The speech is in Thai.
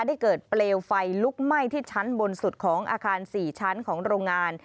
ได้เกิดเปลวไฟลุกไหม้ที่ชั้นบนสุดของอาคาร๔ชั้นของโรงงาน